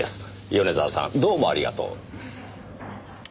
米沢さんどうもありがとう。